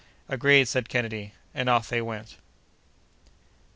"Agreed!" said Kennedy; and off they went.